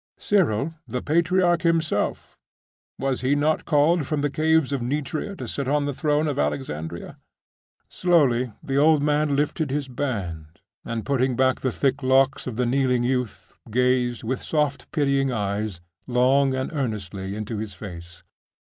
Cyril the patriarch himself, was he not called from the caves of Nitria to sit on the throne of Alexandria?' Slowly the old man lifted his band, and putting back the thick locks of the kneeling youth, gazed, with soft pitying eyes, long and earnestly into his face.